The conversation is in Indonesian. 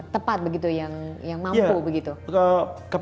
tepat begitu yang mampu begitu